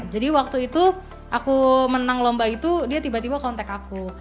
jadi waktu itu aku menang lomba itu dia tiba tiba kontak aku